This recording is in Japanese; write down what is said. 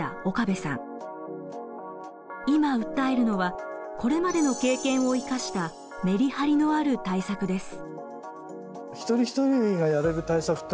今訴えるのはこれまでの経験を生かしたメリハリのある対策です。